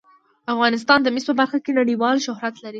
افغانستان د مس په برخه کې نړیوال شهرت لري.